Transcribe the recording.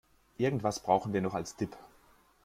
Irgendwas brauchen wir noch als Dip.